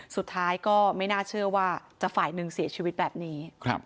สุดท้ายก็ไม่น่าเชื่อว่าจะฝ่ายหนึ่งเสียชีวิตแบบนี้